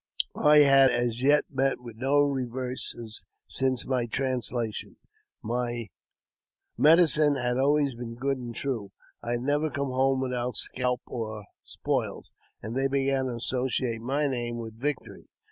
I had as yet met with no reverses since my translation. My Tnedicine had always been good and true. I had never come home without scalps or spoils, and they began to associate my name with victory.